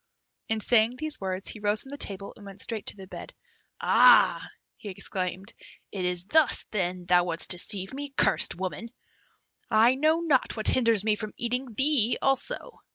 In saying these words, he rose from the table and went straight to the bed "Ah!" he exclaimed, "it is thus, then, thou wouldst deceive me, cursed woman! I know not what hinders me from eating thee also!